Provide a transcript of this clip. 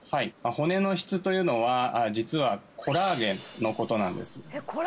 骨の質というのは実はコラーゲンのことなんですえっ